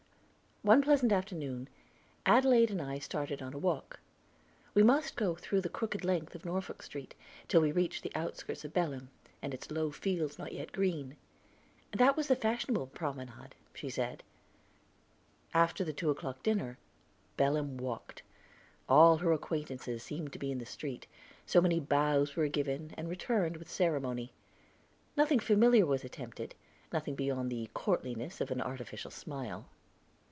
One pleasant afternoon Adelaide and I started on a walk. We must go through the crooked length of Norfolk Street, till we reached the outskirts of Belem, and its low fields not yet green; that was the fashionable promenade, she said. After the two o'clock dinner, Belem walked. All her acquaintances seemed to be in the street, so many bows were given and returned with ceremony. Nothing familiar was attempted, nothing beyond the courtliness of an artificial smile.